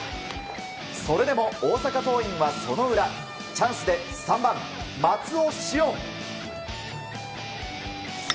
それでも大阪桐蔭はその裏チャンスで３番、松尾汐恩。